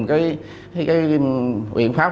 cái quyện pháp